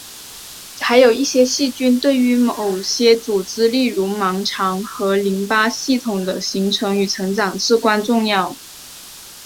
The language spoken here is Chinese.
还有一些细菌对于某些组织例如盲肠和淋巴系统的形成与成长至关重要。